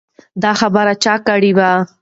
دا خبره چا کړې وه؟